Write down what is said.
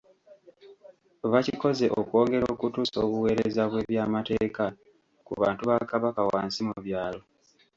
Bakikoze okwongera okutuusa obuweereza bw’ebyamateeka ku bantu ba Kabaka wansi mu byalo